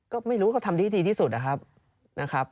ก็ไม่รู้เขาทำที่ดีที่สุดนะครับ